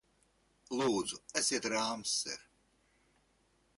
Lūdzu, esiet rāms, ser!